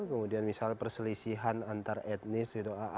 kemudian misal perselisihan antar etnis